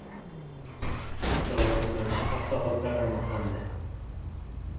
Tilovat yo‘nalishi hafta g‘oliblari aniqlandi